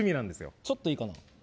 ちょっといいかな？